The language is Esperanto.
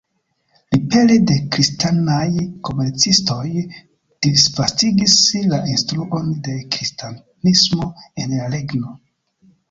Li pere de kristanaj komercistoj disvastigis la instruon de kristanismo en la regno.